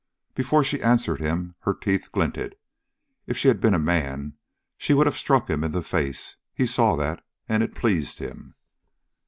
Before she answered him, her teeth glinted. If she had been a man, she would have struck him in the face. He saw that, and it pleased him.